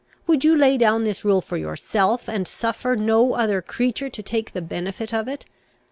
Would you lay down this rule for yourself, and suffer no other creature to take the benefit of it?